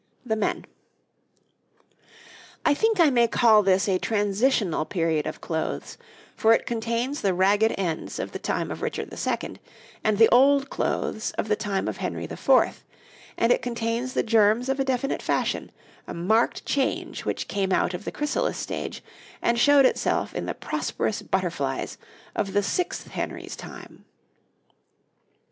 }] I think I may call this a transitional period of clothes, for it contains the ragged ends of the time of Richard II. and the old clothes of the time of Henry IV., and it contains the germs of a definite fashion, a marked change which came out of the chrysalis stage, and showed itself in the prosperous butterflies of the sixth Henry's time.